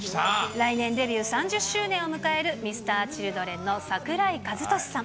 来年デビュー３０周年を迎える、Ｍｒ．Ｃｈｉｌｄｒｅｎの桜井和寿さん。